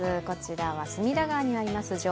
こちらは隅田川にあります